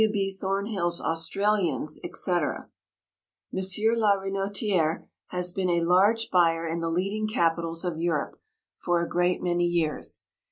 Thornhill's Australians, etc. M. la Renotiérè has been a large buyer in the leading capitals of Europe for a great many years.